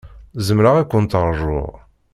Zemreɣ ad kent-ṛjuɣ.